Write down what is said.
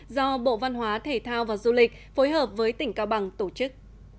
do bộ văn hóa thể thao và du lịch phối hợp với tỉnh cao bằng tổ chức